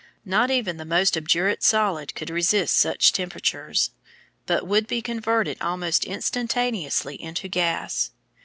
Not even the most obdurate solid could resist such temperatures, but would be converted almost instantaneously into gas.